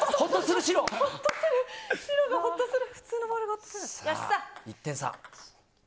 白がほっとする。